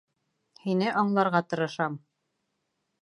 Һине аңларға тырышам.